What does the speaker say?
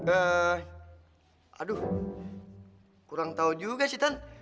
eh aduh kurang tahu juga sih tan